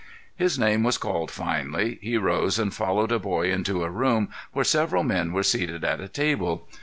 His name was called finally; he rose and followed a boy into a room where several men were seated at a table.